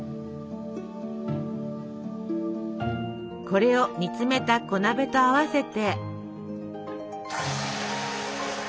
これを煮詰めた小鍋と合わせて。